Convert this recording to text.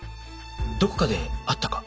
どこかで会ったか？